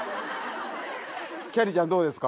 きゃりーちゃんどうですか？